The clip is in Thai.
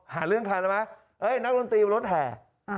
หาเรื่องใครแล้วไหมนักดนตรีรถแห่